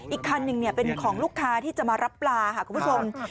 อีกคันหนึ่งเป็นของลูกค้าที่จะมารับปลาค่ะคุณผู้ชม